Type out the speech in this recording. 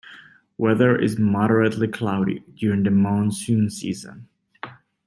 Weather is moderately cloudy during the monsoon season.